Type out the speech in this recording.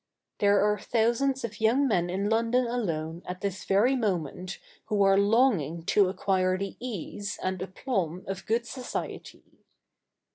There are thousands of young men in London alone at this very moment who are longing to acquire the ease and aplomb of good society.